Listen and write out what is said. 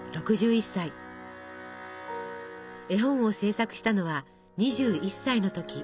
絵本を制作したのは２１歳の時。